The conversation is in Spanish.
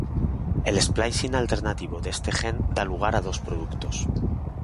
El splicing alternativo de este gen da lugar a dos productos.